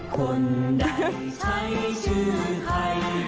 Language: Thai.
คนใดใช้ชื่อใคร